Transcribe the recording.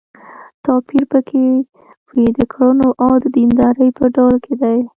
توپير په کې وي د کړنو او د دیندارۍ په ډول کې دی.